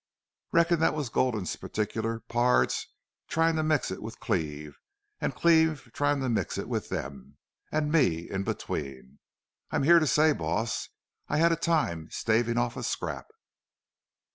"Reckon that was Gulden's particular pards tryin' to mix it with Cleve an' Cleve tryin' to mix it with them an' ME in between!... I'm here to say, boss, that I had a time stavin' off a scrap."